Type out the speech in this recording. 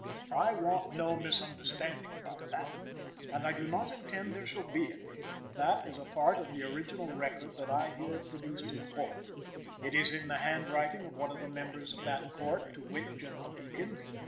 I want no misunderstanding about that, and I do not intend there shall be any. That is a part of the original record which I here produced in Court. It is in the hand writing of one of the members of that Court, to wit, General Ekin.